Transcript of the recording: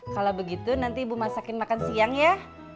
kalau begitu nanti ibu masakin makan siang ya